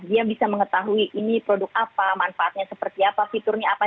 dia bisa mengetahui ini produk apa manfaatnya seperti apa fiturnya apa